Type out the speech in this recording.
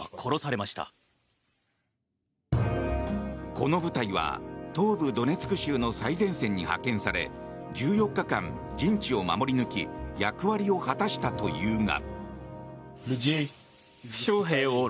この部隊は東部ドネツク州の最前線に派遣され１４日間、陣地を守り抜き役割を果たしたというが。